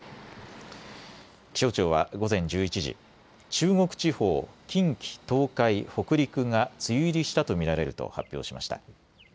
気象庁は午前１１時、中国地方、近畿、東海、北陸が梅雨入りしたと見られると発表しました。